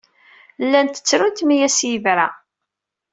Llant ttrunt mi as-yebra.